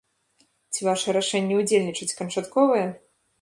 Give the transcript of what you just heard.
Ці ваша рашэнне ўдзельнічаць канчатковае?